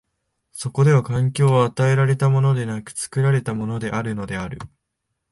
そこでは環境は与えられたものでなく、作られたものであるのである。